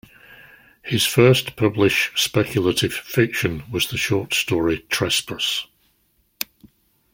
His first published speculative fiction was the short story Trespass!